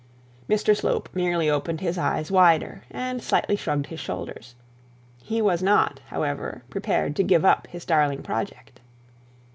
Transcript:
Mr Slope merely opened his eyes wider, and slightly shrugged his shoulders. He was not, however, prepared to give up his darling project.